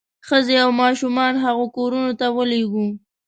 ښځې او ماشومان هغو کورونو ته ولېږو.